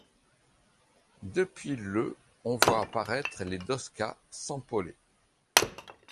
Depuis le on voit apparaître des doskas sans polés.